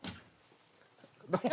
どうも。